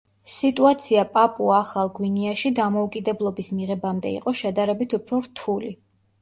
სიტუაცია პაპუა-ახალ გვინეაში დამოუკიდებლობის მიღებამდე იყო შედარებით უფრო რთული.